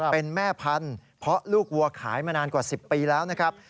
เป็นแม่พันธุ์เพราะลูกวัวขายมานานกว่า๑๐ปีแล้วนะครับ